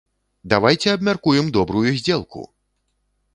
Давайце абмяркуем добрую здзелку!